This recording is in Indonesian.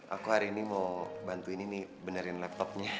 aku hari ini mau bantuin ini nih benerin laptopnya